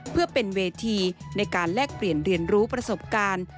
เพื่อเป็นเวทีในการแลกเปลี่ยนเรียนรู้ประสบการณ์